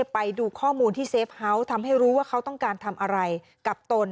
ไปดูข้อมูลที่เซฟเฮาส์ทำให้รู้ว่าเขาต้องการทำอะไรกับตน